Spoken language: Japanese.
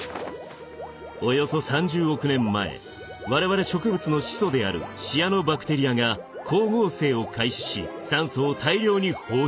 およそ３０億年前我々植物の始祖であるシアノバクテリアが光合成を開始し酸素を大量に放出。